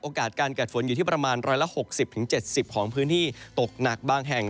การเกิดฝนอยู่ที่ประมาณ๑๖๐๗๐ของพื้นที่ตกหนักบางแห่ง